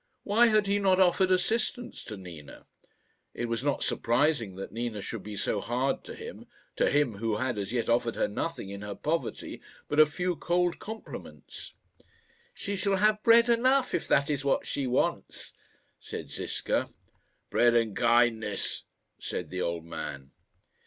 Why had he not offered assistance to Nina? It was not surprising that Nina should be so hard to him to him who had as yet offered her nothing in her poverty but a few cold compliments. "She shall have bread enough, if that is what she wants," said Ziska. "Bread and kindness," said the old man.